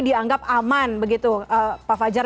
dianggap aman begitu pak fajar